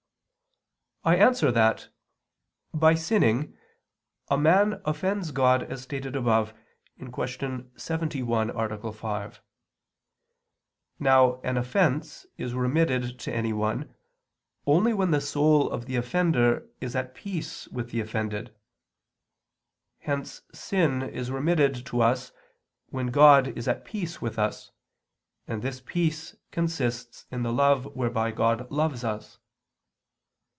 I answer that, by sinning a man offends God as stated above (Q. 71, A. 5). Now an offense is remitted to anyone, only when the soul of the offender is at peace with the offended. Hence sin is remitted to us, when God is at peace with us, and this peace consists in the love whereby God loves us.